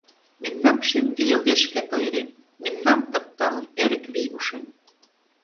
Мемнам шем вий огеш керт ойырен. Мемнам, тапталын, эрык вий ушен.